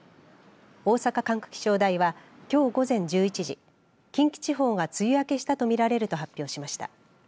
大阪管区気象台はきょう午前１１時近畿地方が梅雨明けしたと見られると発表しました。